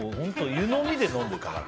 湯呑みで飲んでたから。